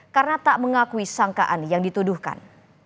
karena tak mengakui sangkaan yang dituduhkan